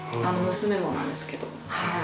娘もなんですけど。